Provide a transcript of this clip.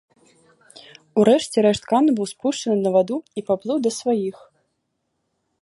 У рэшце рэшт кану быў спушчаны на ваду і паплыў да сваіх.